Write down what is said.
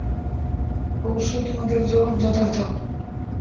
অবশ্যই তোমাদের জবাব যথার্থ।